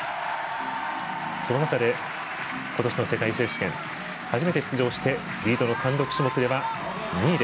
その中で、今年の世界選手権初めて出場してリードの単独種目では２位。